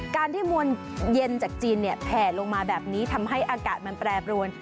การที่มวลเย็นจากจีนแผลลงมาแบบนี้ทำให้อากาศมันแปรปรวน